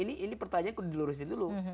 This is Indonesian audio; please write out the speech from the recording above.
ini pertanyaan dilurusin dulu